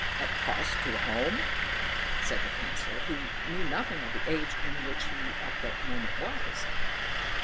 "Across to the Holme!" said the Councillor, who knew nothing of the age in which he at that moment was.